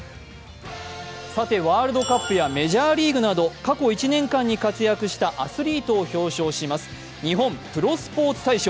ワールドカップやメジャーリーグなど過去１年間に活躍したアスリートを表彰します日本プロスポーツ大賞。